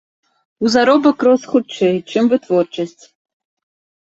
У заробак рос хутчэй, чым вытворчасць.